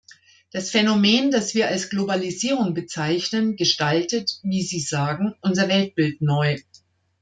Das Phänomen, das wir als Globalisierung bezeichnen, gestaltet, wie Sie sagen, unser Weltbild neu.